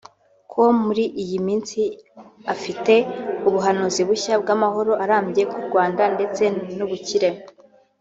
com ko muri iyi minsi afite ubuhanuzi bushya bw’amahoro arambye ku Rwanda ndetse n’ubukire